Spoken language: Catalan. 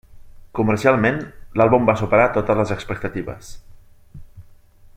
Comercialment, l'àlbum va superar totes les expectatives.